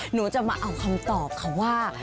หนูจะมาเอาคำตอบค่ะว่า